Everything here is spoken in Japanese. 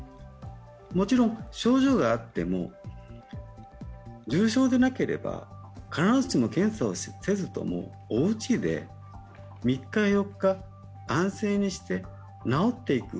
もちろん、症状があっても、重症でなければ、必ずしも検査をせずともおうちで３日、４日、安静にして、治っていく。